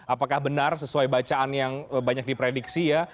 apakah benar sesuai bacaan yang banyak diprediksi ya